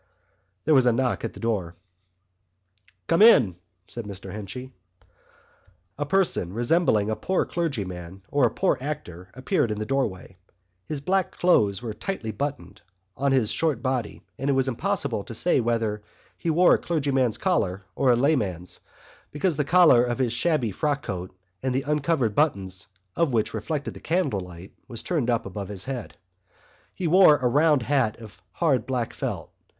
There was a knock at the door. "Come in!" said Mr Henchy. A person resembling a poor clergyman or a poor actor appeared in the doorway. His black clothes were tightly buttoned on his short body and it was impossible to say whether he wore a clergyman's collar or a layman's, because the collar of his shabby frock coat, the uncovered buttons of which reflected the candlelight, was turned up about his neck. He wore a round hat of hard black felt.